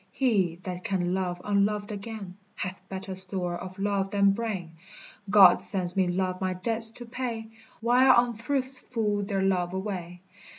He that can love unloved again, Hath better store of love than brain: God sends me love my debts to pay, While unthrifts fool their love away.